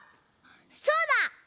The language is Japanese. そうだ！